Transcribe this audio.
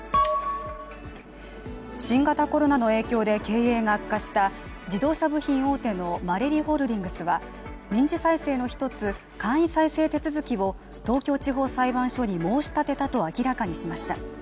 新型コロナの影響で経営が悪化した自動車部品大手のマレリホールディングスは民事再生の１つ、簡易再生手続を東京地方裁判所に申し立てたと明らかにしました。